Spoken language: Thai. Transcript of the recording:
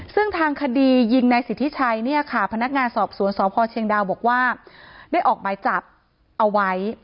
ซึ่งทางคดียิงนายสิทธิชัยเนี่ยค่ะพนักงานสอบสวนสพเชียงดาวบอกว่าได้ออกหมายจับเอาไว้